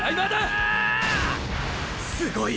すごい！！